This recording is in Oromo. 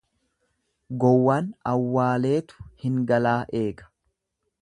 Gowwaan awwaleetu hin galaa eega.